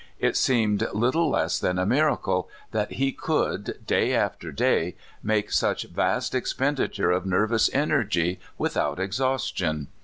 It seemed little less than a miracle that he could, day after day, make such vast expenditure of nervous energy without exhaustion.